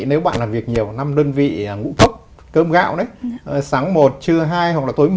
nếu bạn làm việc nhiều năm đơn vị ngũ cốc cơm gạo đấy sáng một trưa hai hoặc là tối một mươi